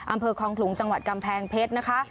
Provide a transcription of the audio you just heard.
อำเภอคลองขลุงจังหวัดกำแพงเพชรนะคะ